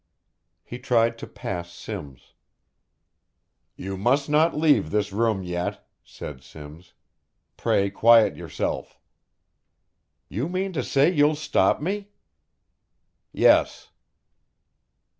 He tried to pass Simms. "You must not leave this room yet," said Simms. "Pray quiet yourself." "You mean to say you'll stop me?" "Yes."